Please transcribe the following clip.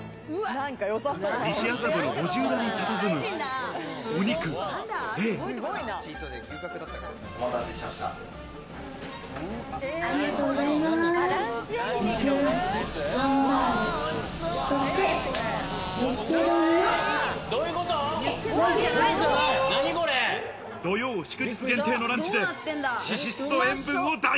西麻布の路地裏にたたずむ、お待たせしました。